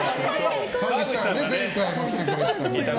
川口さんは前回も来てくれてたから。